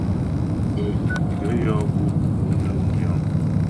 Gaə̂ yɔ́ gó' nə mú yəŋ.